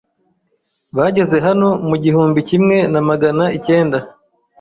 Bageze hano mu gihumbi kimwe namagana ikenda.